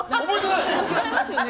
違いますよね？